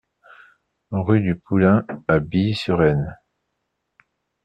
Rue du Poulain à Billy-sur-Aisne